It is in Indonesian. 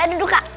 ayo duduk kak